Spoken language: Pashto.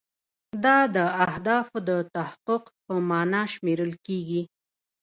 دا د اهدافو د تحقق په معنا شمیرل کیږي.